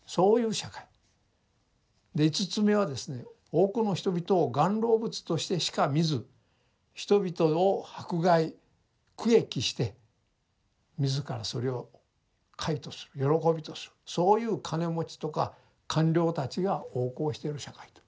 多くの人々を翫弄物としてしか見ず人々を迫害苦役して自らそれを快とする喜びとするそういう金持ちとか官僚たちが横行している社会と。